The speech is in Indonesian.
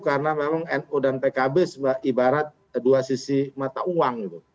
karena memang no dan pkb ibarat dua sisi mata uang